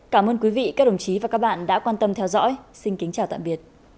cảm ơn các bạn đã theo dõi và hẹn gặp lại